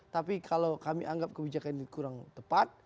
tapi kalau kami anggap kebijakan ini kurang tepat